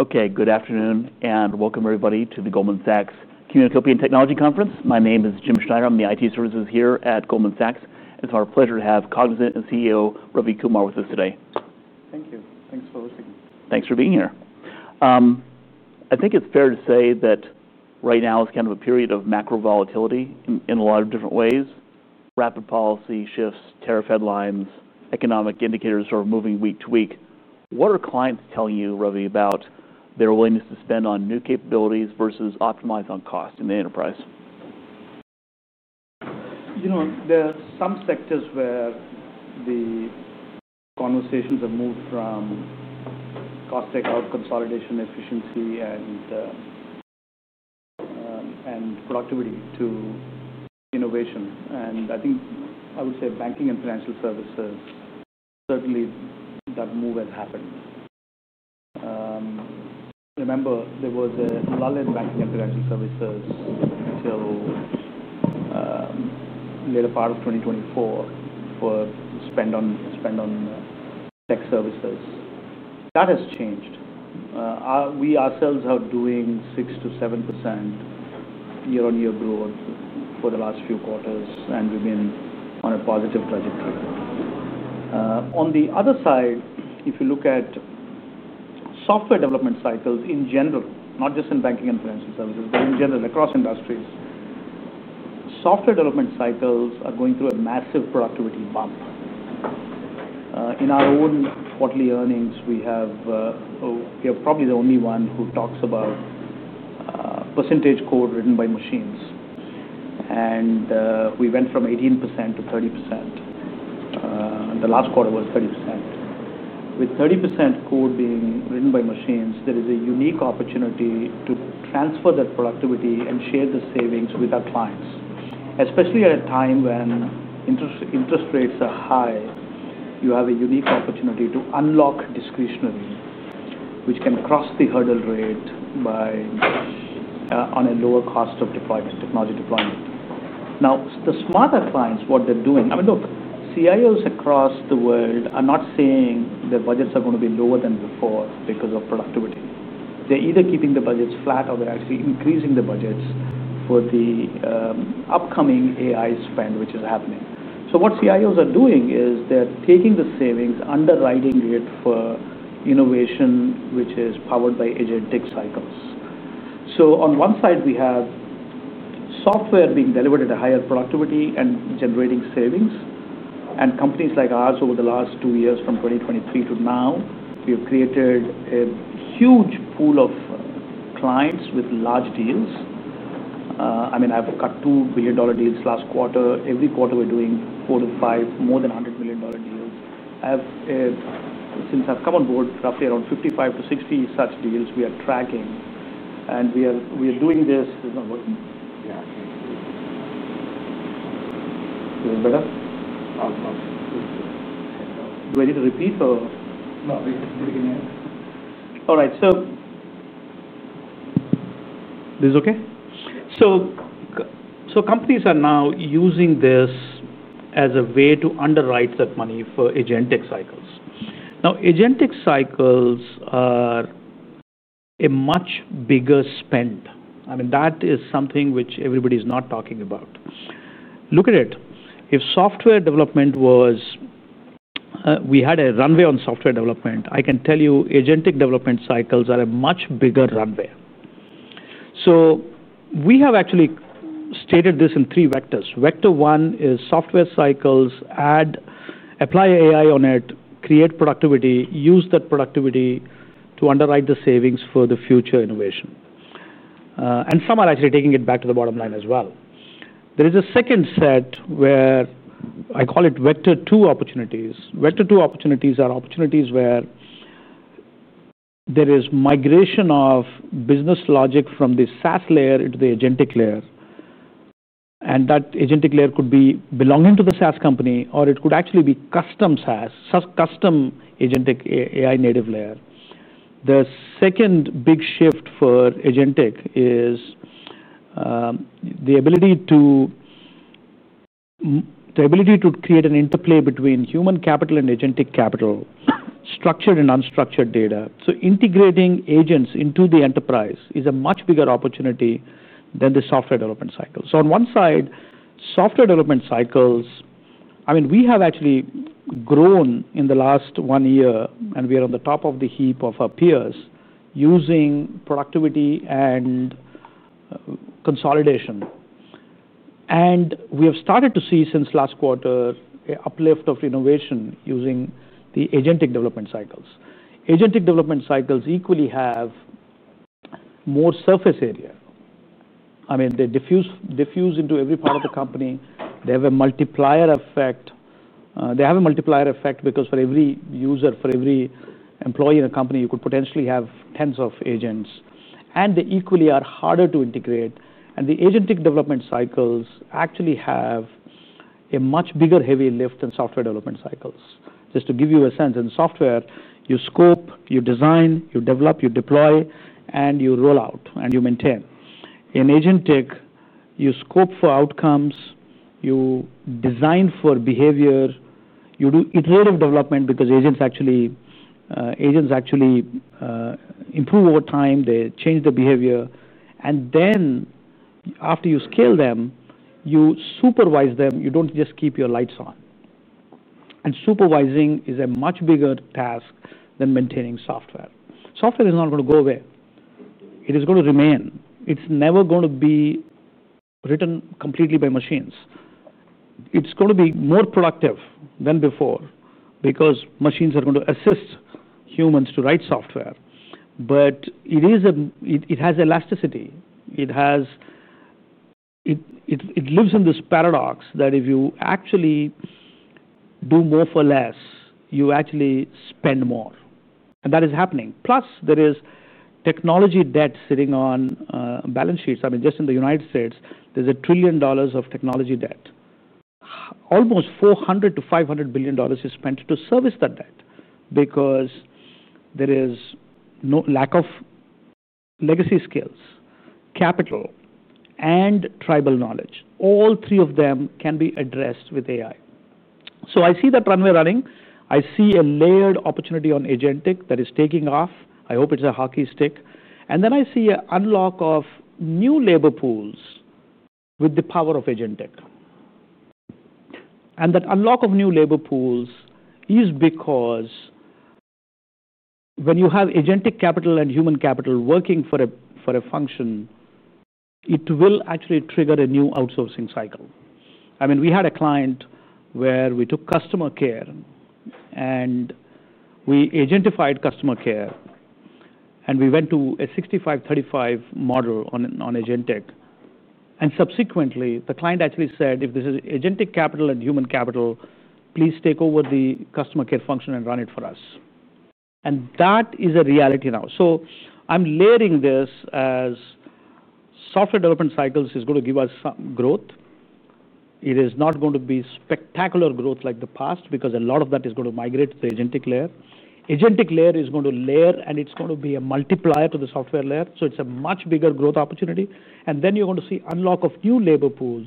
Okay, good afternoon and welcome everybody to the Goldman Sachs Communacopia + Technology Conference. My name is Jim Schneider. I'm the IT Services here at Goldman Sachs. It's our pleasure to have Cognizant and CEO Ravi Kumar with us today. Thank you. Thanks for hosting me. Thanks for being here. I think it's fair to say that right now is kind of a period of macro volatility in a lot of different ways. Rapid policy shifts, tariff headlines, economic indicators are moving week to week. What are clients telling you, Ravi, about their willingness to spend on new capabilities versus optimize on cost in the enterprise? You know, there are some sectors where the conversations are moved from cost takeout, consolidation, efficiency, and productivity to innovation. I think I would say banking and financial services, certainly that move has happened. Remember, there was a lot in banking and financial services until the later part of 2024 for spend on tech services. That has changed. We ourselves are doing 6%-7% year-on-year growth for the last few quarters, and we've been on a positive trajectory. On the other side, if you look at software development cycles in general, not just in banking and financial services, but in general across industries, software development cycles are going through a massive productivity bump. In our own quarterly earnings, we are probably the only one who talks about percentage code written by machines. We went from 18% to 30%. The last quarter was 30%. With 30% code being written by machines, there is a unique opportunity to transfer that productivity and share the savings with our clients. Especially at a time when interest rates are high, you have a unique opportunity to unlock discretionary, which can cross the hurdle rate on a lower cost of technology deployment. The smarter clients, what they're doing, I mean, look, CIOs across the world are not saying their budgets are going to be lower than before because of productivity. They're either keeping the budgets flat or they're actually increasing the budgets for the upcoming AI spend, which is happening. What CIOs are doing is they're taking the savings, underwriting it for innovation, which is powered by agentic cycles. On one side, we have software being delivered at a higher productivity and generating savings. Companies like ours, over the last two years, from 2023 to now, have created a huge pool of clients with large deals. I've got $2 billion deals last quarter. Every quarter, we're doing four to five, more than $100 million deals. Since I've come on board, roughly around 55-60 such deals we are tracking. We are doing this. Yeah, okay. Better? Oh, go ahead. Do I need to repeat? No, it's pretty good. All right. Companies are now using this as a way to underwrite that money for agentic cycles. Agentic cycles are a much bigger spend. I mean, that is something which everybody is not talking about. Look at it. If software development was, we had a runway on software development, I can tell you agentic development cycles are a much bigger runway. We have actually stated this in three vectors. Vector one is software cycles, add, apply AI on it, create productivity, use that productivity to underwrite the savings for the future innovation. Some are actually taking it back to the bottom line as well. There is a second set where I call it vector two opportunities. Vector two opportunities are opportunities where there is migration of business logic from the SaaS layer into the agentic layer. That agentic layer could be belonging to the SaaS company, or it could actually be custom SaaS, custom agentic AI native layer. The second big shift for agentic is the ability to create an interplay between human capital and agentic capital, structured and unstructured data. Integrating agents into the enterprise is a much bigger opportunity than the software development cycle. On one side, software development cycles, I mean, we have actually grown in the last one year, and we are on the top of the heap of our peers using productivity and consolidation. We have started to see, since last quarter, an uplift of innovation using the agentic development cycles. Agentic development cycles equally have more surface area. I mean, they diffuse into every part of the company. They have a multiplier effect. They have a multiplier effect because for every user, for every employee in a company, you could potentially have tens of agents. They equally are harder to integrate. The agentic development cycles actually have a much bigger heavy lift than software development cycles. Just to give you a sense, in software, you scope, you design, you develop, you deploy, you roll out, and you maintain. In agentic, you scope for outcomes, you design for behavior, you do iterative development because agents actually improve over time, they change their behavior. After you scale them, you supervise them. You don't just keep your lights on. Supervising is a much bigger task than maintaining software. Software is not going to go away. It is going to remain. It's never going to be written completely by machines. It's going to be more productive than before because machines are going to assist humans to write software. It has elasticity. It lives in this paradox that if you actually do more for less, you actually spend more. That is happening. Plus, there is technology debt sitting on balance sheets. I mean, just in the United States, there's $1 trillion of technology debt. Almost $400 billion-$500 billion is spent to service that debt because there is no lack of legacy skills, capital, and tribal knowledge. All three of them can be addressed with AI. I see that runway running. I see a layered opportunity on agentic that is taking off. I hope it's a hockey stick. I see an unlock of new labor pools with the power of agentic. That unlock of new labor pools is because when you have agentic capital and human capital working for a function, it will actually trigger a new outsourcing cycle. I mean, we had a client where we took customer care and we agentified customer care. We went to a 65-35 model on agentic. Subsequently, the client actually said, "If this is agentic capital and human capital, please take over the customer care function and run it for us." That is a reality now. I'm layering this as software development cycles is going to give us some growth. It is not going to be spectacular growth like the past because a lot of that is going to migrate to the agentic layer. Agentic layer is going to layer, and it's going to be a multiplier to the software layer. It's a much bigger growth opportunity. You're going to see unlock of new labor pools.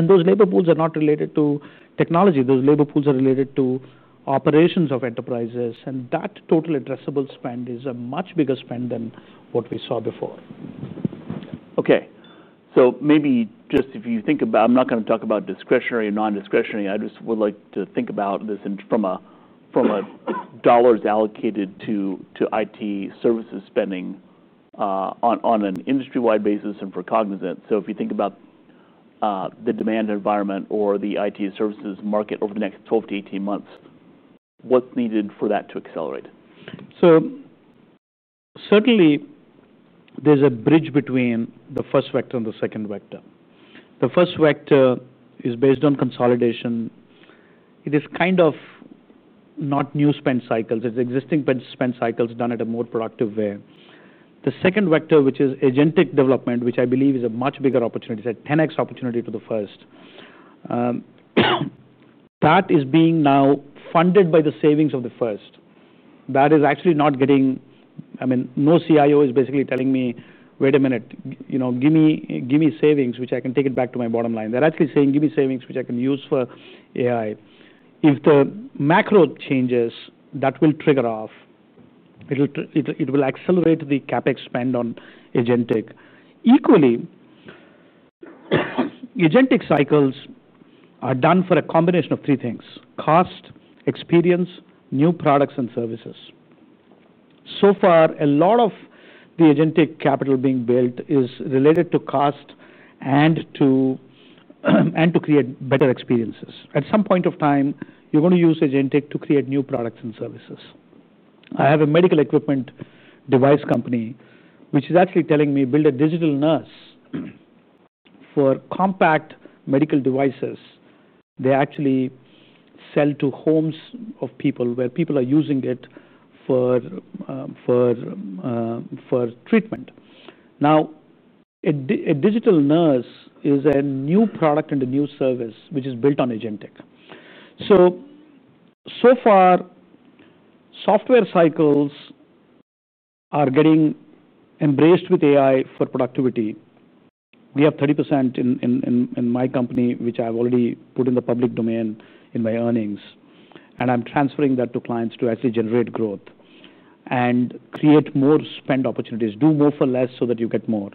Those labor pools are not related to technology. Those labor pools are related to operations of enterprises. That total addressable spend is a much bigger spend than what we saw before. Okay. Maybe just if you think about, I'm not going to talk about discretionary and non-discretionary. I just would like to think about this from a dollars allocated to IT services spending on an industry-wide basis and for Cognizant. If you think about the demand environment or the IT services market over the next 12-18 months, what's needed for that to accelerate? Certainly, there's a bridge between the first vector and the second vector. The first vector is based on consolidation. It is kind of not new spend cycles. It's existing spend cycles done in a more productive way. The second vector, which is agentic development, which I believe is a much bigger opportunity, it's a 10x opportunity for the first. That is being now funded by the savings of the first. That is actually not getting, I mean, no CIO is basically telling me, "Wait a minute, you know, give me savings, which I can take it back to my bottom line." They're actually saying, "Give me savings, which I can use for AI." If the macro changes, that will trigger off. It will accelerate the CapEx spend on agentic. Equally, agentic cycles are done for a combination of three things: cost, experience, new products, and services. So far, a lot of the agentic capital being built is related to cost and to create better experiences. At some point of time, you're going to use agentic to create new products and services. I have a medical equipment device company, which is actually telling me, "Build a digital nurse for compact medical devices." They actually sell to homes of people where people are using it for treatment. Now, a digital nurse is a new product and a new service, which is built on agentic. So far, software cycles are getting embraced with AI for productivity. We have 30% in my company, which I've already put in the public domain in my earnings. I'm transferring that to clients to actually generate growth and create more spend opportunities, do more for less so that you get more.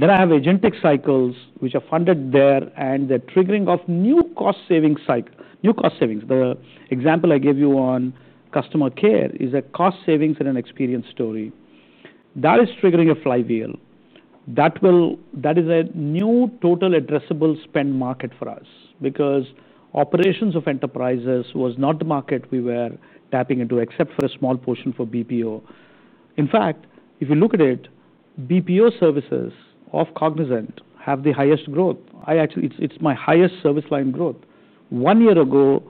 I have agentic cycles, which are funded there, and they're triggering off new cost saving cycles. New cost savings. The example I gave you on customer care is a cost savings and an experience story. That is triggering a flywheel. That is a new total addressable spend market for us because operations of enterprises was not the market we were tapping into, except for a small portion for BPO. In fact, if you look at it, BPO services of Cognizant have the highest growth. It's my highest service line growth. One year ago,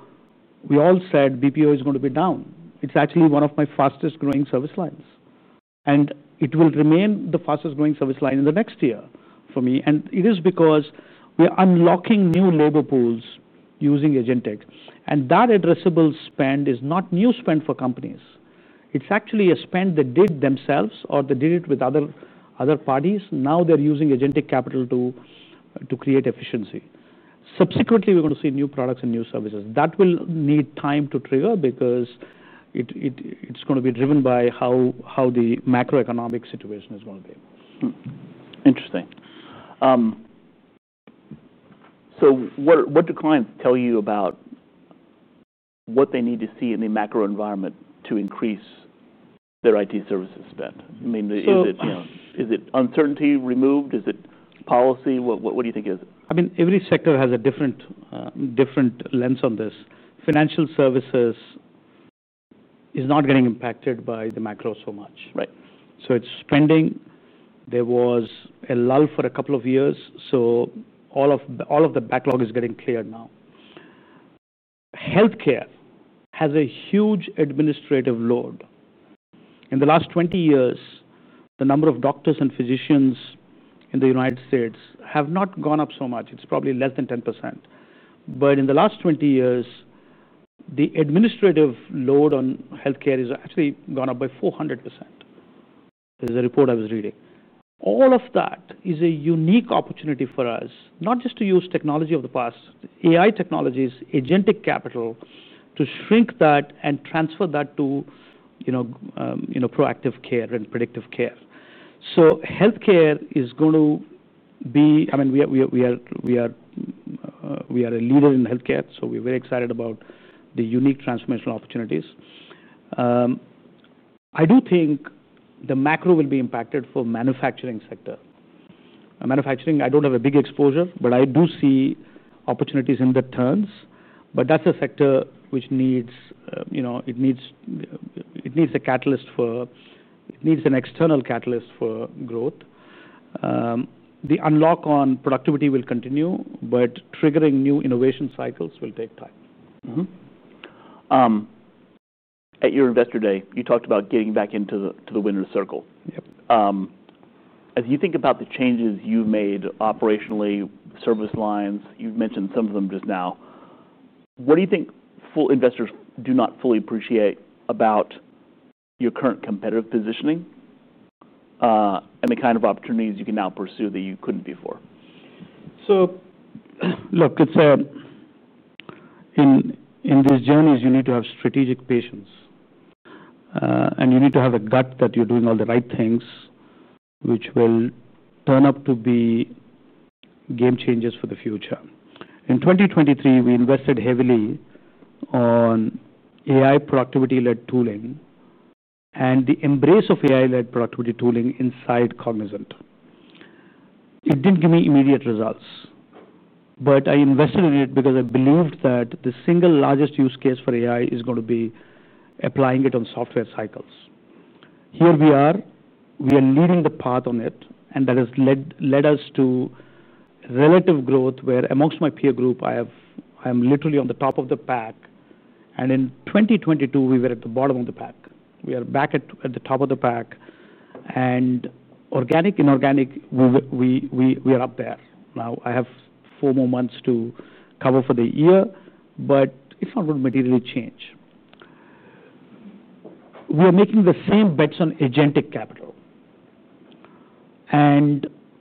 we all said BPO is going to be down. It's actually one of my fastest growing service lines. It will remain the fastest growing service line in the next year for me. It is because we are unlocking new labor pools using agentic. That addressable spend is not new spend for companies. It's actually a spend they did themselves or they did it with other parties. Now they're using agentic capital to create efficiency. Subsequently, we're going to see new products and new services. That will need time to trigger because it's going to be driven by how the macroeconomic situation is going to be. Interesting. What do clients tell you about what they need to see in the macro environment to increase their IT services spend? I mean, is it uncertainty removed? Is it policy? What do you think it is? I mean, every sector has a different lens on this. Financial services are not getting impacted by the macro so much. Right. It's spending. There was a lull for a couple of years. All of the backlog is getting cleared now. Healthcare has a huge administrative load. In the last 20 years, the number of doctors and physicians in the United States has not gone up so much. It's probably less than 10%. In the last 20 years, the administrative load on healthcare has actually gone up by 400%. This is a report I was reading. All of that is a unique opportunity for us, not just to use technology of the past, AI technologies, agentic capital, to shrink that and transfer that to proactive care and predictive care. Healthcare is going to be, I mean, we are a leader in healthcare. We're very excited about the unique transformational opportunities. I do think the macro will be impacted for the manufacturing sector. Manufacturing, I don't have a big exposure, but I do see opportunities in the turns. That's a sector which needs, you know, it needs a catalyst for, it needs an external catalyst for growth. The unlock on productivity will continue, but triggering new innovation cycles will take time. At your Investor Day, you talked about getting back into the winner's circle. Yep. As you think about the changes you've made operationally, service lines, you've mentioned some of them just now, what do you think investors do not fully appreciate about your current competitive positioning and the kind of opportunities you can now pursue that you couldn't before? Look, it's in these journeys, you need to have strategic patience. You need to have a gut that you're doing all the right things, which will turn up to be game changers for the future. In 2023, we invested heavily on AI productivity-led tooling and the embrace of AI-led productivity tooling inside Cognizant. It didn't give me immediate results. I invested in it because I believed that the single largest use case for AI is going to be applying it on software cycles. Here we are. We are leading the path on it. That has led us to relative growth, where amongst my peer group, I am literally on the top of the pack. In 2022, we were at the bottom of the pack. We are back at the top of the pack. Organic, inorganic, we are up there. I have four more months to cover for the year, but it's not going to materially change. We are making the same bets on agentic capital.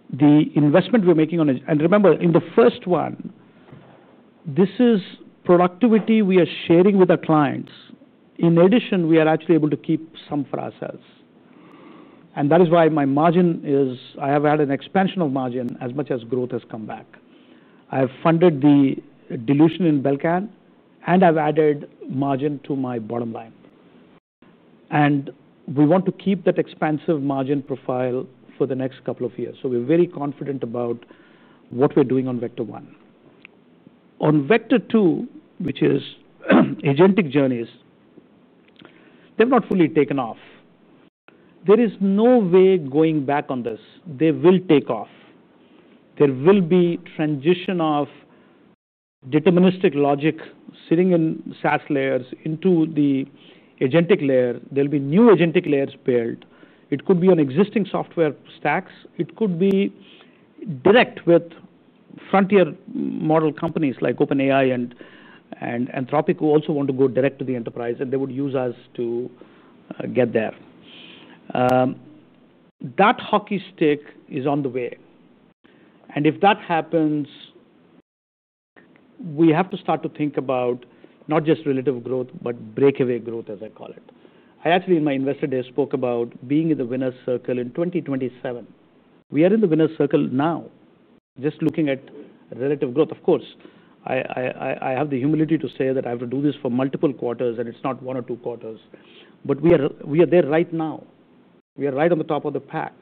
The investment we're making on, and remember, in the first one, this is productivity we are sharing with our clients. In addition, we are actually able to keep some for ourselves. That is why my margin is, I have had an expansion of margin as much as growth has come back. I have funded the dilution in Belcan, and I've added margin to my bottom line. We want to keep that expansive margin profile for the next couple of years. We're very confident about what we're doing on vector one. On vector two, which is agentic journeys, they've not fully taken off. There is no way going back on this. They will take off. There will be transition of deterministic logic sitting in SaaS layers into the agentic layer. There'll be new agentic layers built. It could be on existing software stacks. It could be direct with frontier model companies like OpenAI and Anthropic, who also want to go direct to the enterprise, and they would use us to get there. That hockey stick is on the way. If that happens, we have to start to think about not just relative growth, but breakaway growth, as I call it. I actually, in my Investor Day, spoke about being in the winner's circle in 2027. We are in the winner's circle now, just looking at relative growth. Of course, I have the humility to say that I have to do this for multiple quarters, and it's not one or two quarters. We are there right now. We are right on the top of the pack.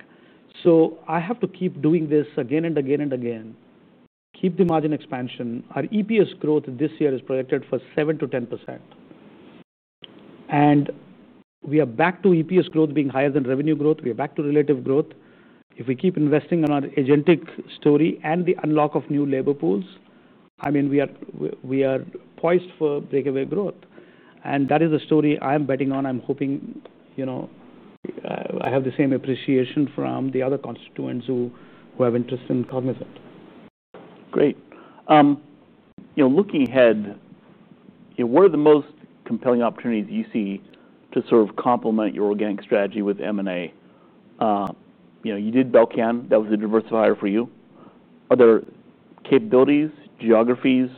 I have to keep doing this again and again and again, keep the margin expansion. Our EPS growth this year is projected for 7%-10%. We are back to EPS growth being higher than revenue growth. We are back to relative growth. If we keep investing in our agentic story and the unlock of new labor pools, I mean, we are poised for breakaway growth. That is a story I am betting on. I'm hoping, you know, I have the same appreciation from the other constituents who have interest in Cognizant. Great. Looking ahead, what are the most compelling opportunities that you see to sort of complement your organic strategy with M&A? You did Belcan. That was a diversifier for you. Are there capabilities, geographies,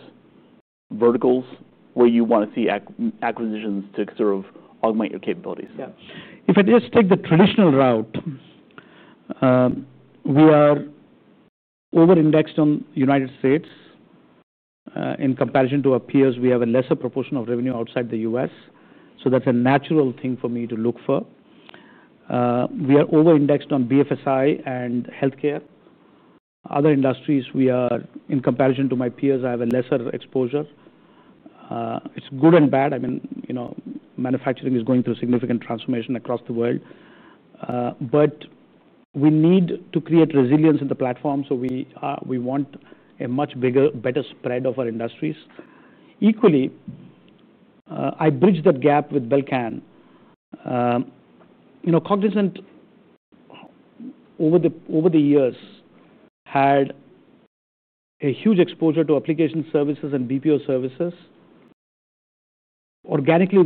verticals where you want to see acquisitions to sort of augment your capabilities? Yeah. If I just take the traditional route, we are over-indexed on the United States. In comparison to our peers, we have a lesser proportion of revenue outside the U.S. That's a natural thing for me to look for. We are over-indexed on BFSI and healthcare. Other industries, we are, in comparison to my peers, I have a lesser exposure. It's good and bad. I mean, you know, manufacturing is going through significant transformation across the world. We need to create resilience in the platform. We want a much bigger, better spread of our industries. Equally, I bridge that gap with Belcan. You know, Cognizant over the years had a huge exposure to application services and BPO services. Organically,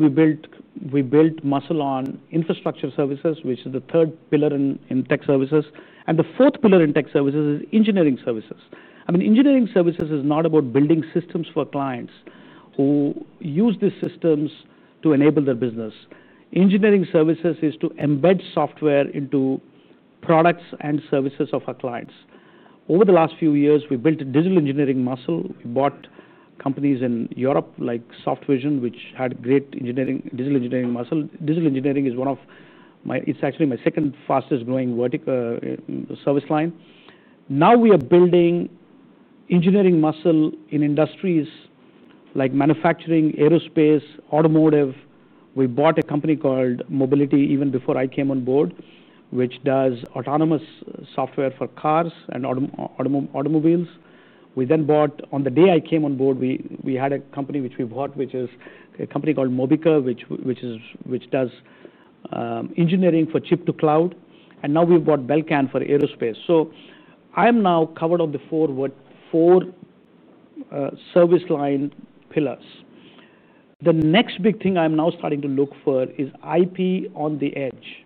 we built muscle on infrastructure services, which is the third pillar in tech services. The fourth pillar in tech services is engineering services. I mean, engineering services is not about building systems for clients who use these systems to enable their business. Engineering services is to embed software into products and services of our clients. Over the last few years, we built a digital engineering muscle. We bought companies in Europe like Softvision, which had great engineering, digital engineering muscle. Digital engineering is one of my, it's actually my second fastest growing vertical service line. Now we are building engineering muscle in industries like manufacturing, aerospace, automotive. We bought a company called Mobility even before I came on board, which does autonomous software for cars and automobiles. On the day I came on board, we had a company which we bought, which is a company called Mobica, which does engineering for chip to cloud. Now we've bought Belcan for aerospace. I'm now covered on the four service line pillars. The next big thing I'm now starting to look for is IP on the edge.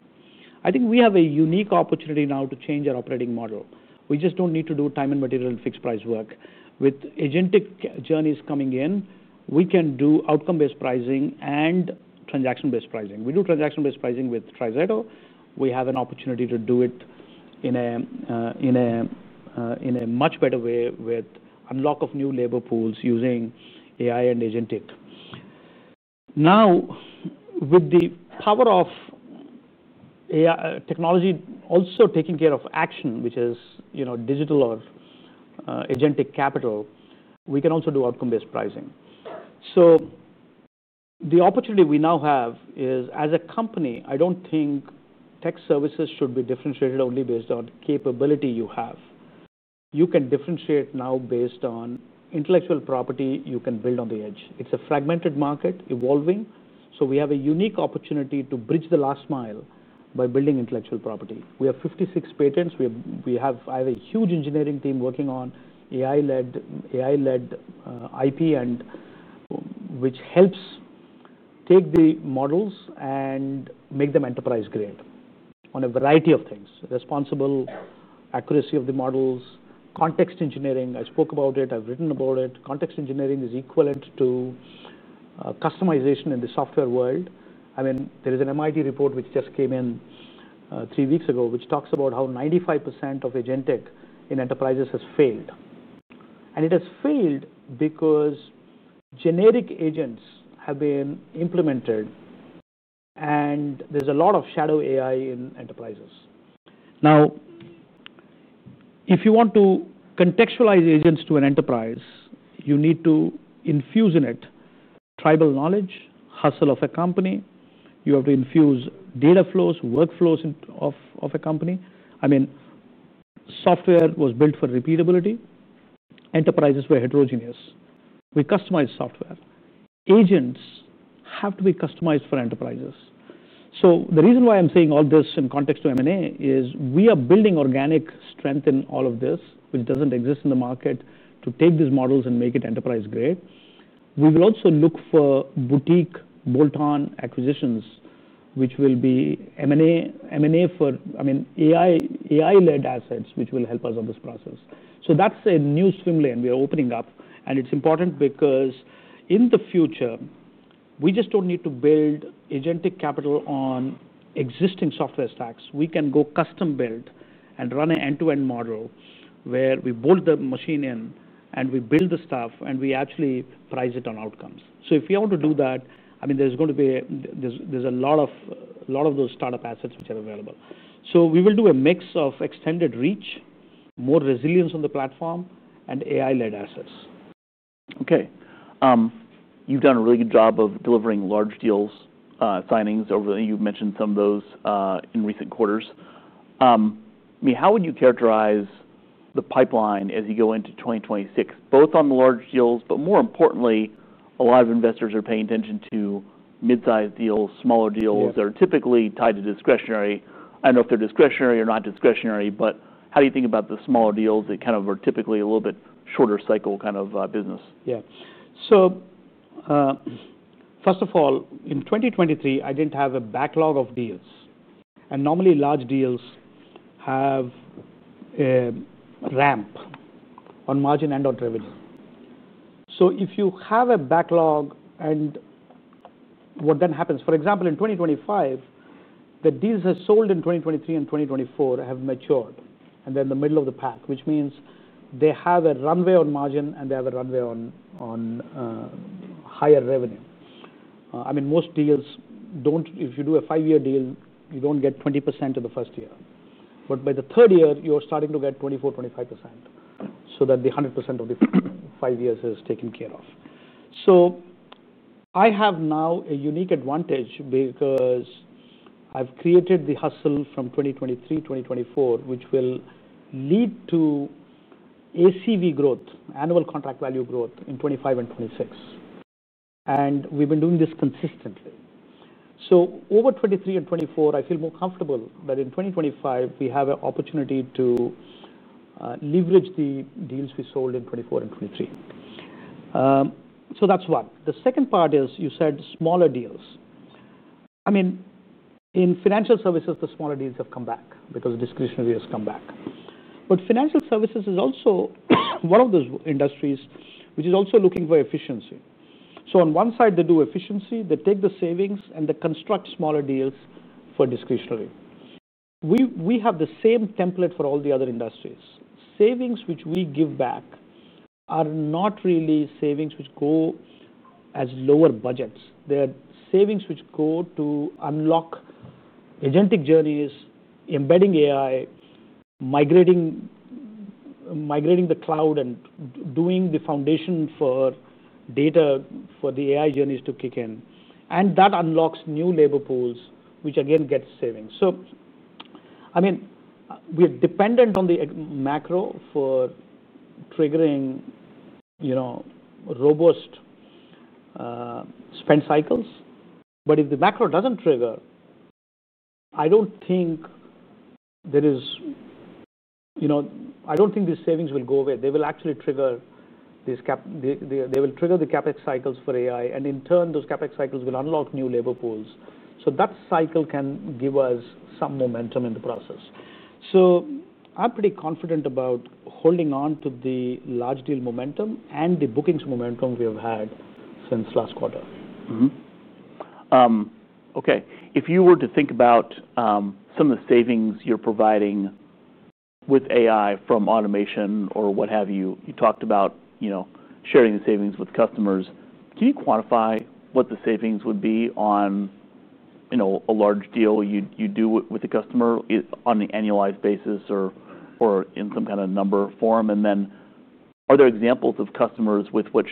I think we have a unique opportunity now to change our operating model. We just don't need to do time and material and fixed price work. With agentic journeys coming in, we can do outcome-based pricing and transaction-based pricing. We do transaction-based pricing with TriZetto. We have an opportunity to do it in a much better way with unlock of new labor pools using AI and agentic. Now, with the power of technology also taking care of action, which is digital or agentic capital, we can also do outcome-based pricing. The opportunity we now have is, as a company, I don't think tech services should be differentiated only based on capability you have. You can differentiate now based on intellectual property you can build on the edge. It's a fragmented market evolving. We have a unique opportunity to bridge the last mile by building intellectual property. We have 56 patents. We have a huge engineering team working on AI-led IP, which helps take the models and make them enterprise-grade on a variety of things. Responsible accuracy of the models, context engineering. I spoke about it. I've written about it. Context engineering is equivalent to customization in the software world. There is an MIT report which just came in three weeks ago, which talks about how 95% of agentic in enterprises has failed. It has failed because generic agents have been implemented, and there's a lot of shadow AI in enterprises. If you want to contextualize agents to an enterprise, you need to infuse in it tribal knowledge, hustle of a company. You have to infuse data flows, workflows of a company. Software was built for repeatability. Enterprises were heterogeneous. We customize software. Agents have to be customized for enterprises. The reason why I'm saying all this in context to M&A is we are building organic strength in all of this, which doesn't exist in the market, to take these models and make it enterprise grade. We will also look for boutique bolt-on acquisitions, which will be M&A for, I mean, AI-led assets, which will help us on this process. That's a new swim lane we are opening up. It's important because in the future, we just don't need to build agentic capital on existing software stacks. We can go custom-build and run an end-to-end model where we bolt the machine in and we build the stuff and we actually price it on outcomes. If we want to do that, there's going to be, there's a lot of those startup assets which are available. We will do a mix of extended reach, more resilience on the platform, and AI-led assets. Okay. You've done a really good job of delivering large deals, signings. You mentioned some of those in recent quarters. How would you characterize the pipeline as you go into 2026, both on large deals, but more importantly, a lot of investors are paying attention to mid-sized deals, smaller deals that are typically tied to discretionary. I don't know if they're discretionary or not discretionary, but how do you think about the smaller deals that kind of are typically a little bit shorter cycle kind of business? Yeah. First of all, in 2023, I didn't have a backlog of deals. Normally, large deals have a ramp on margin and/or revenue. If you have a backlog, what then happens, for example, in 2025, the deals I sold in 2023 and 2024 have matured and they're in the middle of the pack, which means they have a runway on margin and they have a runway on higher revenue. Most deals don't, if you do a five-year deal, you don't get 20% in the first year. By the third year, you're starting to get 24%, 25% so that the 100% of the five years is taken care of. I have now a unique advantage because I've created the hustle from 2023-2024, which will lead to ACV growth, annual contract value growth in 2025 and 2026. We've been doing this consistently. Over 2023 and 2024, I feel more comfortable that in 2025, we have an opportunity to leverage the deals we sold in 2024 and 2023. That's one. The second part is you said smaller deals. In financial services, the smaller deals have come back because discretionary has come back. Financial services is also one of those industries which is also looking for efficiency. On one side, they do efficiency, they take the savings, and they construct smaller deals for discretionary. We have the same template for all the other industries. Savings which we give back are not really savings which go as lower budgets. They are savings which go to unlock agentic journeys, embedding AI, migrating the cloud, and doing the foundation for data for the AI journeys to kick in. That unlocks new labor pools, which again get savings. We're dependent on the macro for triggering robust spend cycles. If the macro doesn't trigger, I don't think these savings will go away. They will actually trigger the CapEx cycles for AI. In turn, those CapEx cycles will unlock new labor pools. That cycle can give us some momentum in the process. I'm pretty confident about holding on to the large deal momentum and the bookings momentum we have had since last quarter. Okay. If you were to think about some of the savings you're providing with AI from automation or what have you, you talked about, you know, sharing the savings with customers. Can you quantify what the savings would be on, you know, a large deal you do with a customer on an annualized basis or in some kind of number form? Are there examples of customers with which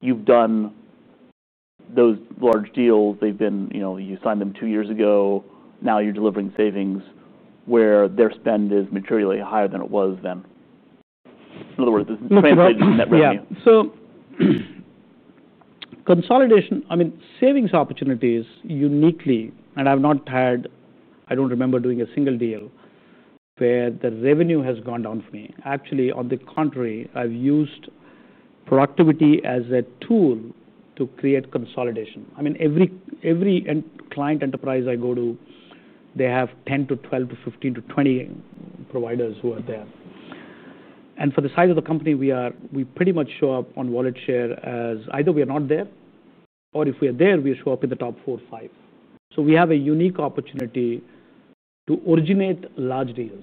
you've done those large deals? You signed them two years ago. Now you're delivering savings where their spend is materially higher than it was then. In other words, the spend is net revenue. Yeah. Consolidation, I mean, savings opportunities uniquely, and I've not had, I don't remember doing a single deal where the revenue has gone down for me. Actually, on the contrary, I've used productivity as a tool to create consolidation. Every client enterprise I go to, they have 10 to 12 to 15 to 20 providers who are there. For the size of the company, we pretty much show up on wallet share as either we are not there, or if we are there, we show up in the top four or five. We have a unique opportunity to originate large deals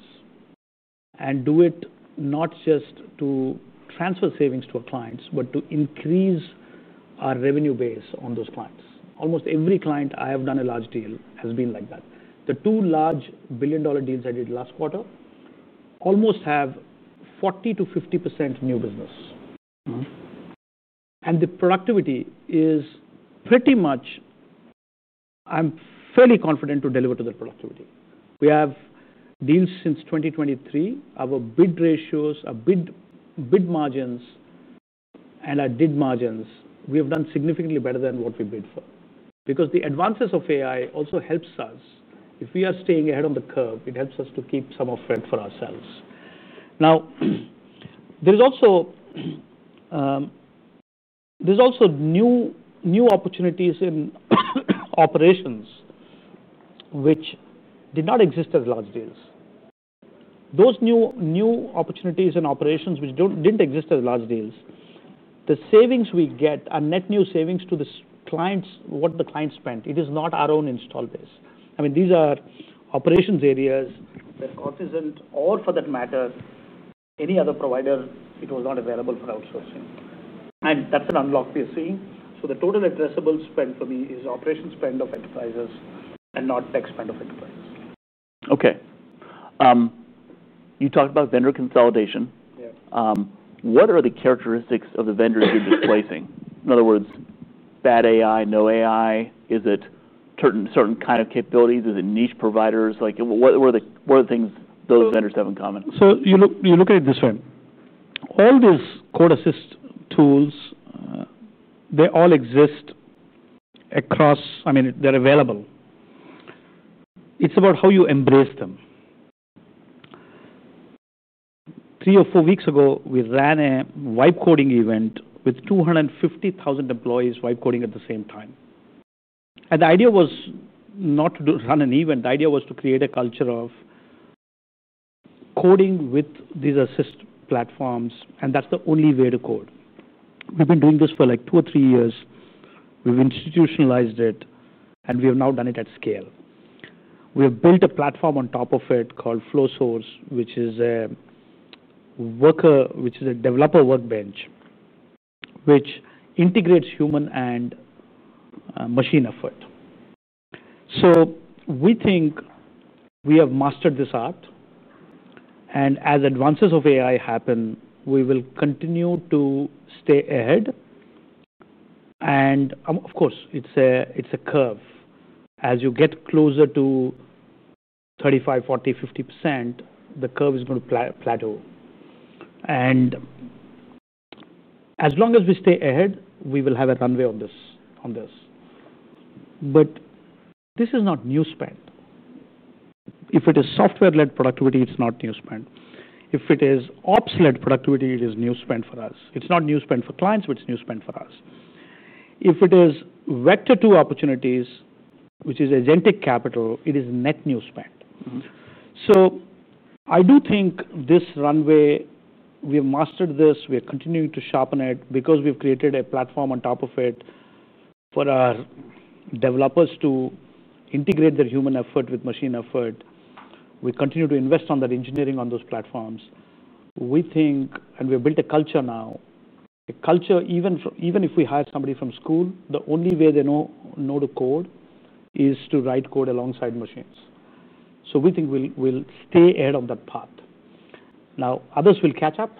and do it not just to transfer savings to our clients, but to increase our revenue base on those clients. Almost every client I have done a large deal has been like that. The two large billion-dollar deals I did last quarter almost have 40%-50% new business. The productivity is pretty much, I'm fairly confident to deliver to the productivity. We have deals since 2023. Our bid ratios, our bid margins, and our dead margins, we have done significantly better than what we bid for because the advances of AI also help us. If we are staying ahead on the curve, it helps us to keep some of it for ourselves. Now, there's also new opportunities in operations which did not exist as large deals. Those new opportunities in operations which didn't exist as large deals, the savings we get are net new savings to the clients, what the client spent. It is not our own install base. These are operations areas where Cognizant, or for that matter, any other provider, it was not available for outsourcing. That's an unlock we're seeing. The total addressable spend for me is operation spend of enterprises and not dex spend of enterprise. Okay. You talked about vendor consolidation. What are the characteristics of the vendors you're displacing? In other words, bad AI, no AI? Is it certain kind of capabilities? Is it niche providers? What are the things those vendors have in common? You look at it this way. All these code assist tools, they all exist across, I mean, they're available. It's about how you embrace them. Three or four weeks ago, we ran a wipe coding event with 250,000 employees wipe coding at the same time. The idea was not to run an event. The idea was to create a culture of coding with these assist platforms, and that's the only way to code. We've been doing this for like two or three years. We've institutionalized it, and we have now done it at scale. We have built a platform on top of it called Flowsource, which is a developer workbench, which integrates human and machine effort. We think we have mastered this art. As advances of AI happen, we will continue to stay ahead. Of course, it's a curve. As you get closer to 35%, 40%, 50%, the curve is going to plateau. As long as we stay ahead, we will have a runway on this. This is not new spend. If it is software-led productivity, it's not new spend. If it is ops-led productivity, it is new spend for us. It's not new spend for clients, but it's new spend for us. If it is vector two opportunities, which is agentic capital, it is net new spend. I do think this runway, we have mastered this. We are continuing to sharpen it because we've created a platform on top of it for our developers to integrate their human effort with machine effort. We continue to invest on that engineering on those platforms. We think, and we've built a culture now, a culture, even if we hire somebody from school, the only way they know to code is to write code alongside machines. We think we'll stay ahead of that path. Others will catch up,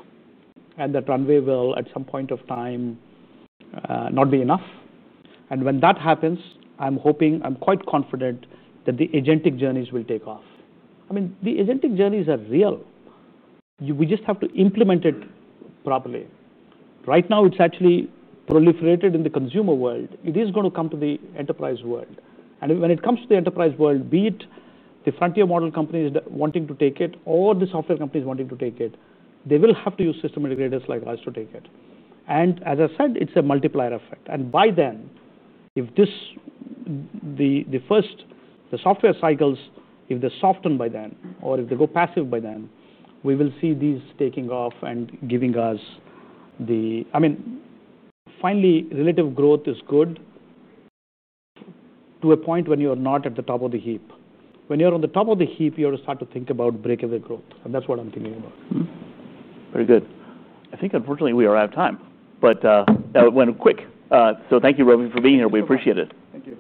and that runway will, at some point of time, not be enough. When that happens, I'm hoping, I'm quite confident that the agentic journeys will take off. The agentic journeys are real. We just have to implement it properly. Right now, it's actually proliferated in the consumer world. It is going to come to the enterprise world. When it comes to the enterprise world, be it the frontier model companies wanting to take it or the software companies wanting to take it, they will have to use system integrators like us to take it. As I said, it's a multiplier effect. By then, if the software cycles, if they soften by then, or if they go passive by then, we will see these taking off and giving us the, I mean, finally, relative growth is good to a point when you are not at the top of the heap. When you're on the top of the heap, you have to start to think about breakaway growth. That's what I'm thinking about. Very good. I think, unfortunately, we are out of time, but that went quick. Thank you, Ravi, for being here. We appreciate it. Thank you.